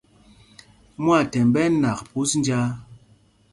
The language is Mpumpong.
Mwâthɛmb ɛ́ ɛ́ nak phūs njāā.